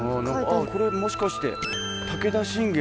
これもしかして武田信玄。